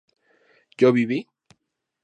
¿yo viví?